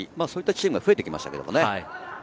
そういったチームは増えてきましたけどね。